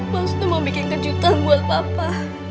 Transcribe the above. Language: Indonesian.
maksudnya mau bikin kejutan buat papa